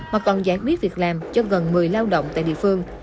mà còn giải quyết việc làm cho gần một mươi lao động tại địa phương